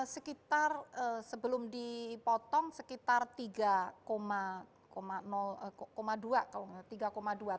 sekitar sebelum dipotong sekitar tiga dua kalau tidak tiga dua t